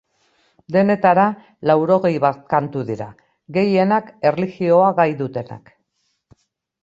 Denetara laurogei bat kantu dira, gehienak erlijioa gai dutenak.